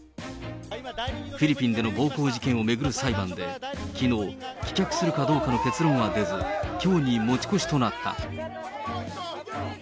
フィリピンでの暴行事件を巡る裁判で、きのう、棄却するかどうかの結論は出ず、きょうに持ち越しとなった。